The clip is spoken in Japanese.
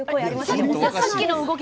さっきの動き